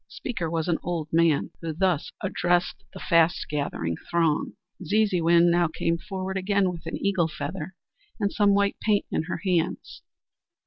The speaker was an old man, who thus addressed the fast gathering throng. Zeezeewin now came forward again with an eagle feather and some white paint in her hands.